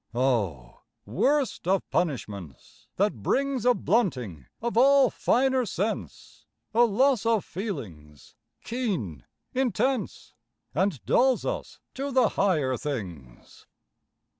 O! worst of punishments, that brings A blunting of all finer sense, A loss of feelings keen, intense, And dulls us to the higher things.